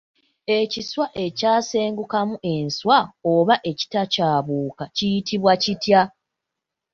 Ekiswa ekyasengukamu enswa oba ekitakyabuuka kiyitibwa kitya ?